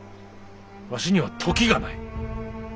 わしには時がない。